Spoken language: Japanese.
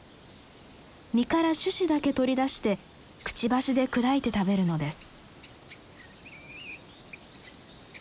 実から種子だけ取り出してくちばしで砕いて食べるのです。